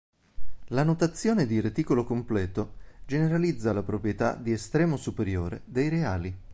La notazione di "reticolo completo" generalizza la proprietà di estremo superiore dei reali.